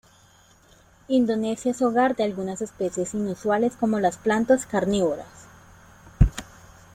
Indonesia es hogar de algunas especies inusuales como las plantas carnívoras.